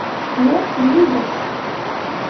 Ẓriɣ-k yid-s.